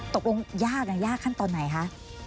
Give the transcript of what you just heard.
ตกลงยากยากขั้นตอนไหนคะ